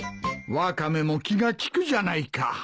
ワカメも気が利くじゃないか。